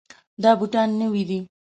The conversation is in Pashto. دا بوټان نوي دي.